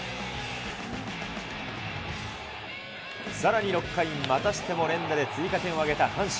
さらに６回、またしても連打で追加点を挙げた阪神。